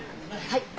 はい。